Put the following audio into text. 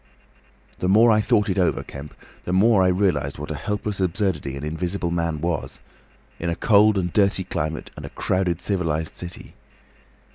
"The more I thought it over, Kemp, the more I realised what a helpless absurdity an Invisible Man was—in a cold and dirty climate and a crowded civilised city.